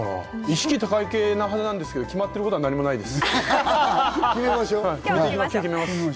意識高い系なはずなんですけれども、決まってることはないです。